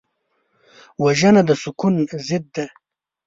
وژنه د سکون ضد ده